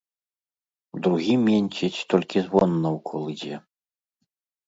Другі менціць, толькі звон наўкол ідзе.